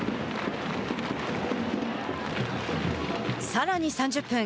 さらに３０分。